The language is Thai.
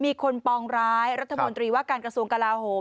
มีคนปองร้ายรัฐมนตรีว่าการกระทรวงกลาโหม